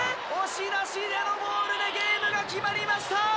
押し出しデッドボールでゲームが決まりました。